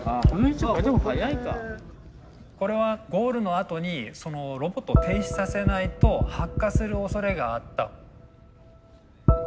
これはゴールのあとにそのロボットを停止させないと発火するおそれがあった。